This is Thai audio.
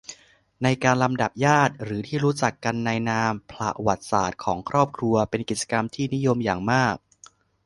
ในการลำดับญาติ หรือที่รู้จักกันในนามผระวัติศาสตร์ของครอบครัว เป็นกิจกรรมที่นิยมอย่างมาก